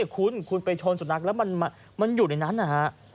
คุณคุณไปชนสุนัขแล้วมันอยู่ในนั้นนะฮะ